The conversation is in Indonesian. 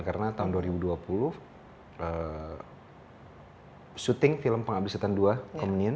karena tahun dua ribu dua puluh syuting film penghabisan ii komunien